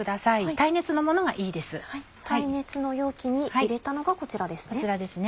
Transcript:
耐熱の容器に入れたのがこちらですね。